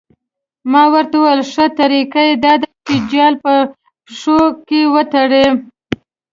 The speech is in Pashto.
ما ورته وویل ښه طریقه یې دا ده چې جال په پښو کې وتړي.